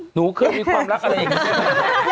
หนูเคยมีความรักอะไรอย่างนี้ใช่ไหม